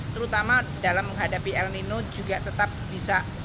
terutama dalam menghadapi el nino juga tetap bisa